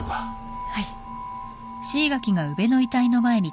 はい。